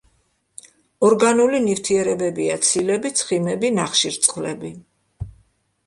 ორგანული ნივთიერებებია: ცილები, ცხიმები, ნახშირწყლები.